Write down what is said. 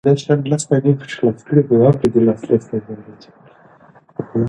انګریزان سخت جنګېدلي وو.